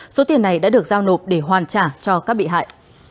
số tiền này đã được giao nộp để hoàn trả cho các bị hại